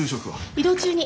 移動中に。